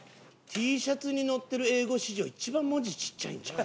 Ｔシャツに載ってる英語史上一番文字ちっちゃいんちゃう？